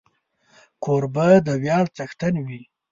کوربه د ویاړ څښتن وي.